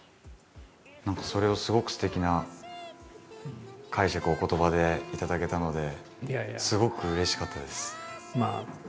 何かそれをすごくすてきな解釈をお言葉で頂けたのですごくうれしかったです。